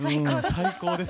最高です。